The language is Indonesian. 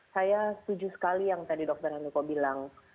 saya setuju sekali yang tadi dokter handoko bilang